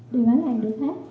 đều bán hàng được hết